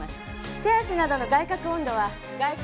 手足などの外殻温度はじゃ